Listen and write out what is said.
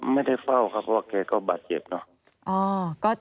ไม่ได้เฝ้าครับเพราะว่าแกก็บาดเจ็บเนอะ